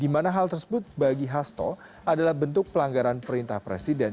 di mana hal tersebut bagi hasto adalah bentuk pelanggaran perintah presiden